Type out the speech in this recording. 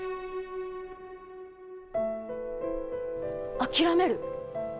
諦める？